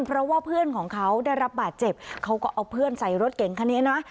เพราะว่าเพื่อนของเขาได้รับบาดเจ็บเขาก็เอาเพื่อนใส่รถเก่งคันนี้นะ